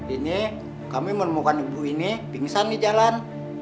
ini kami menemukan ibu ini pingsan di jalan